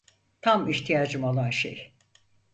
Tam ihtiyacım olan şey.